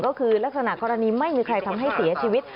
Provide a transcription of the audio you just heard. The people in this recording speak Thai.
ก็คือลักษณะกรณีไม่มีใครทำให้เสียชีวิต